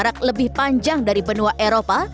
jarak lebih panjang dari benua eropa